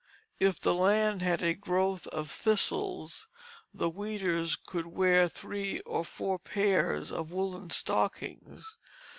If the land had a growth of thistles, the weeders could wear three or four pairs of woollen stockings.